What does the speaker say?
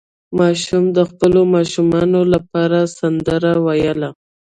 ماشوم د خپلو ماشومانو لپاره سندره ویله.